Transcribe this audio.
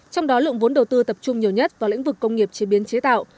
trong đó lượng vốn đầu tư tập trung nhiều nhất vào lĩnh vực công nghiệp chế biến chế tạo